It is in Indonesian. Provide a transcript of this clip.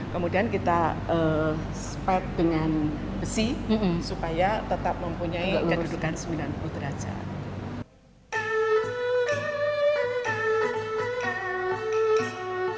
kemudian kita spike dengan besi supaya tetap mempunyai kedudukan sembilan puluh derajat